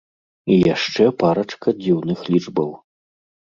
І яшчэ парачка дзіўных лічбаў.